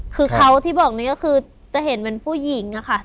คือเขาที่บอกนี่ก็คือจะเห็นเป็นผู้หญิงอะค่ะ